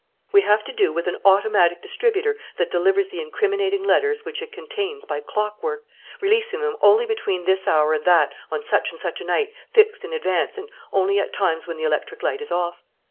"We have to do with an automatic distributor that delivers the incriminating letters which it contains by clockwork, releasing them only between this hour and that on such and such a night fixed in advance and only at times when the electric light is off.